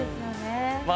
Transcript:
まあ